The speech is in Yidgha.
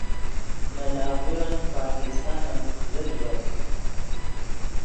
نے لاہورن پاکستانن زل ݱوت